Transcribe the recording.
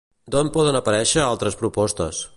D'on poden aparèixer altres propostes?